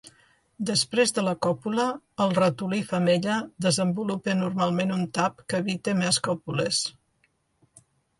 Després de la còpula, el ratolí femella desenvolupa normalment un tap que evita més còpules.